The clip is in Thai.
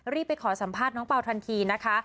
ไปขอสัมภาษณ์น้องเปล่าทันทีนะคะ